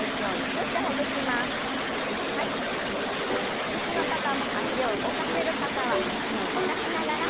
椅子の方も脚を動かせる方は脚を動かしながら。